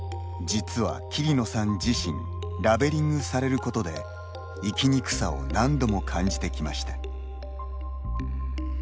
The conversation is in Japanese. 実は、桐野さん自身ラベリングされることで生きにくさを何度も感じてきました。